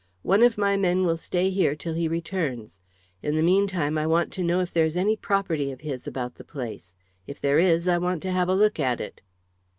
One of my men will stay here till he returns. In the meantime I want to know if there is any property of his about the place. If there is, I want to have a look at it."